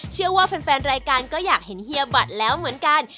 เชื่อว่าแฟนรายการก็อยากเห็นเฮียบัตรแล้วเหมือนกัน